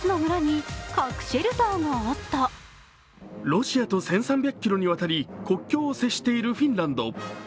ロシアと１３００ｋｍにわたり国境を接しているフィンランド。